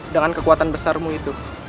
dengan kekuatan besarmu itu